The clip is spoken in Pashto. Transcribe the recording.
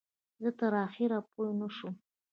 زه تر اخره پوی نشوم.